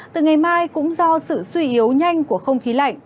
từ ngày mai cũng do sự suy yếu nhanh của không khí lạnh